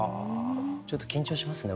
ちょっと緊張しますね